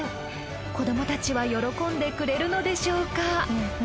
子どもたちは喜んでくれるのでしょうか？